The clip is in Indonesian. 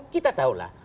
kita tahu lah